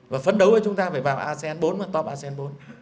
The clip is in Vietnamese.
và phấn đấu với chúng ta phải vào asean bốn top asean bốn